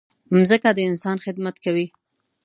مځکه د انسان خدمت کوي.